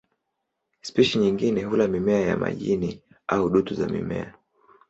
Spishi nyingine hula mimea ya majini au dutu za mimea.